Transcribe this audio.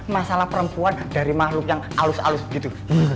masalah perempuan dari mahluk yang alus alus gitu